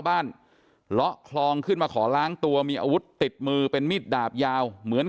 บ้านเลาะคลองขึ้นมาขอล้างตัวมีอาวุธติดมือเป็นมีดดาบยาวเหมือน